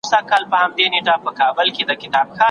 د بيلتون لپاره مختلفي طريقې ښوولي دي.